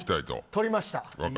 取りました。